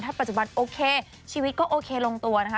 ปัจจุบันโอเคชีวิตก็โอเคลงตัวนะคะ